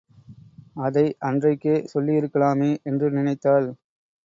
அதை அன்றைக்கே சொல்லியிருக்கலாமே என்று நினைத்தாள்.